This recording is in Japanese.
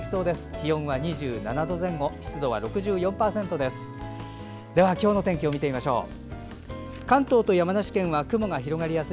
気温は２７度前後湿度は６４％です。